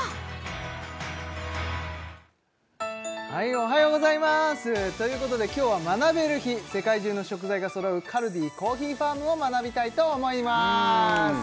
おはようございますということで今日は学べる日世界中の食材が揃うカルディコーヒーファームを学びたいと思います